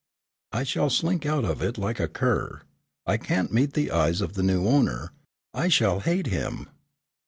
"I shall slink out of it like a cur. I can't meet the eyes of the new owner; I shall hate him."